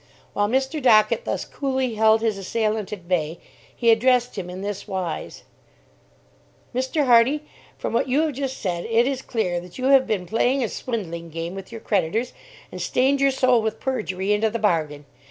While Mr. Dockett thus coolly held his assailant at bay, he addressed him in this wise: "Mr. Hardy, from what you have just said, it is clear that you have been playing a swindling game with your creditors, and stained your soul with perjury into the bargain!